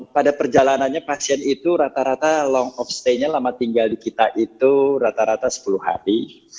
pada perjalanannya pasien itu rata rata long of stay nya lama tinggal di kita itu rata rata sepuluh hari